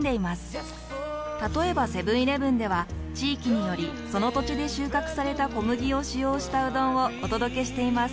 例えばセブンーイレブンでは地域によりその土地で収穫された小麦を使用したうどんをお届けしています。